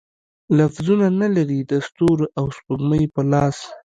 لفظونه، نه لري د ستورو او سپوږمۍ په لاس